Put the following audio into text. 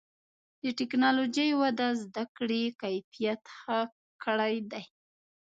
د ټکنالوجۍ وده د زدهکړې کیفیت ښه کړی دی.